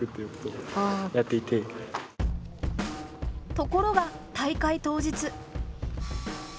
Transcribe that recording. ところが大会当日。